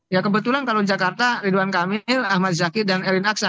ya kebetulan kalau jakarta ridwan kamil ahmad zaki dan erwin aksa